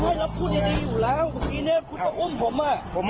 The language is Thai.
ไม่เปล่าหรอกเขาแก้งของผมมาจังเลย